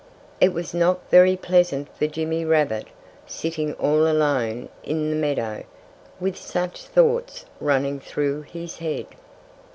It was not very pleasant for Jimmy Rabbit, sitting all alone in the meadow, with such thoughts running through his head.